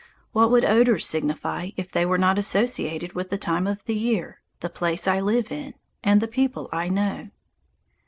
What would odours signify if they were not associated with the time of the year, the place I live in, and the people I know?